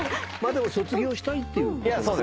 でも卒業したいっていうことですもんね。